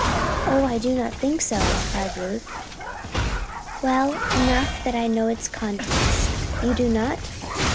"Oh, I do not think so!" cried Ruth. "Well. Enough that I know its contents. You do not?"